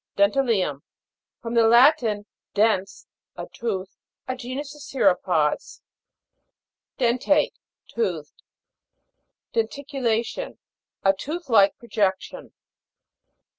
DENTA'LIUM. From the Latin, dens, a tooth. A genus of cirrhopods. DEN'TATE. Toothed. DENTICULA'TION. A tooth like pro jection.